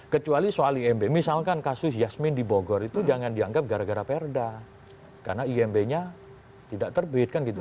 kecuali soal imb misalkan kasus yasmin di bogor itu jangan dianggap gara gara perda karena imb nya tidak terbit kan gitu